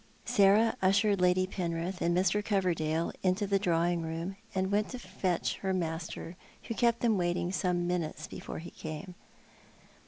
Sarah ushered Lady Penrith and Mr. Coverdale into the drawing room, and went to fetch her master, who kept them waiting some minutes before he came.